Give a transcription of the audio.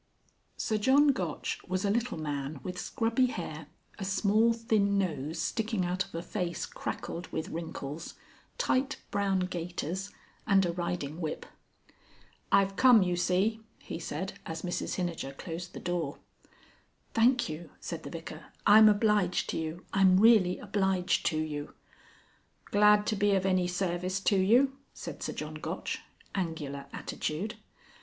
XLII. Sir John Gotch was a little man with scrubby hair, a small, thin nose sticking out of a face crackled with wrinkles, tight brown gaiters, and a riding whip. "I've come, you see," he said, as Mrs Hinijer closed the door. "Thank you," said the Vicar, "I'm obliged to you. I'm really obliged to you." "Glad to be of any service to you," said Sir John Gotch. (Angular attitude.)